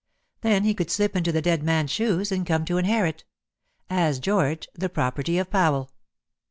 Then he could slip into the dead man's shoes, and come to inherit as George the property of Powell.